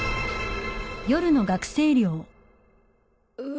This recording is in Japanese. うわ